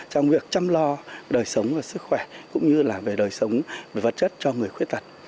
trong việc chăm lo đời sống và sức khỏe cũng như là về đời sống về vật chất cho người khuyết tật